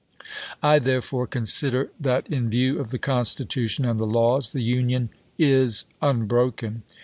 I, therefore, consider that, in view of the Constitution and the laws, the inaugumi, Union is unbroken."